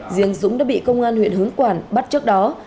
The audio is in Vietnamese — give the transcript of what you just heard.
riêng dũng đã bị công an huyện hướng quản bắt trước đó